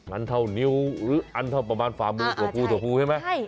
มันเท่านิ้วหรืออันเท่าประมาณฝ่ามือถั่วูถั่วูใช่ไหม